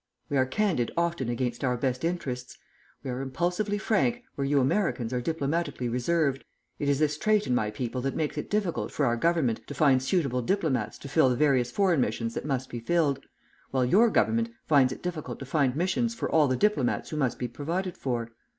We are candid often against our best interests. We are impulsively frank where you Americans are diplomatically reserved. It is this trait in my people that makes it difficult for our Government to find suitable diplomats to fill the various foreign missions that must be filled, while your Government finds it difficult to find missions for all the diplomats who must be provided for.